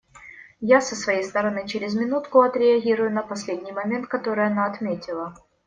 Я, со своей стороны, через минутку отреагирую на последний момент, который она отметила.